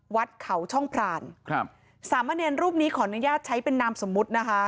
วัดเขาช่องพรานครับสามเณรรูปนี้ขออนุญาตใช้เป็นนามสมมุตินะคะ